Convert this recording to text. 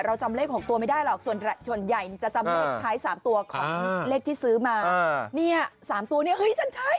เฮ้ยฉันใช้ฉันถูกแดดเลย